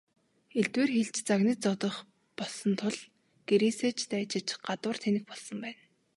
Элдвээр хэлж, загнаж зодох болсон тул гэрээсээ ч дайжиж гадуур тэнэх болсон байна.